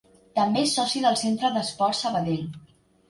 També és soci del Centre d'Esports Sabadell.